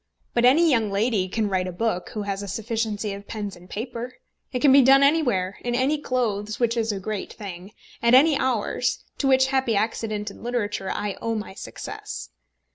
But any young lady can write a book who has a sufficiency of pens and paper. It can be done anywhere; in any clothes which is a great thing; at any hours to which happy accident in literature I owe my success.